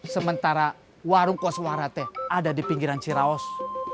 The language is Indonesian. sementara warung koswara teh ada di pinggiran ciraos